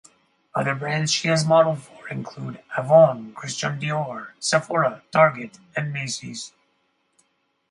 Other brands she has modelled for include "Avon", "Christian Dior", "Sephora", "Target", and "Macy's".